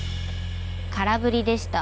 空振りでした。